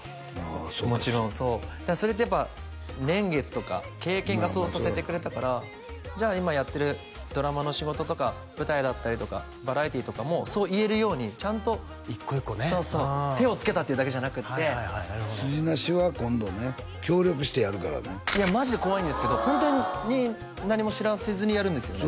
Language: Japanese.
もちろんそうだからそれってやっぱ年月とか経験がそうさせてくれたからじゃあ今やってるドラマの仕事とか舞台だったりとかバラエティーとかもそう言えるようにちゃんと一個一個ねそうそう手を付けたっていうだけじゃなくて「スジナシ」は今度ね協力してやるからねいやマジで怖いんですけどホントに何も知らせずにやるんですよね？